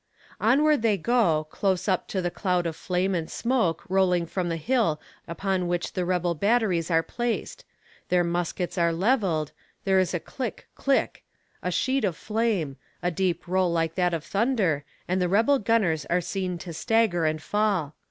Onward they go, close up to the cloud of flame and smoke rolling from the hill upon which the rebel batteries are placed their muskets are leveled there is a click, click a sheet of flame a deep roll like that of thunder, and the rebel gunners are seen to stagger and fall.